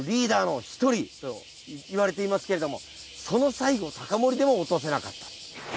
そういう意味で。といわれていますけれどもその西郷隆盛でも落とせなかった。